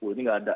ini nggak ada